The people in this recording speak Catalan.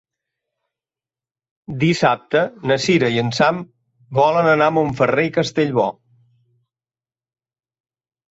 Dissabte na Cira i en Sam volen anar a Montferrer i Castellbò.